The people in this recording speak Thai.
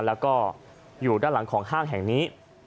แล้วก็อยู่ด้านหลังของห้างแห่งนี้